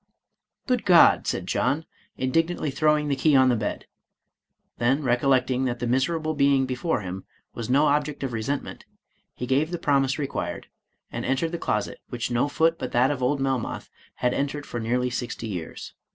" Good God 1 " said John, indignantly throwing the key on the bed ; then, recollecting that the miserable being before him was no object of resentment, he gave the promise required, and entered the closet, which no foot but that of old Melmoth had entered for nearly sixty years.